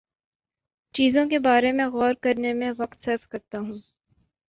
چیزوں کے بارے میں غور کرنے میں وقت صرف کرتا ہوں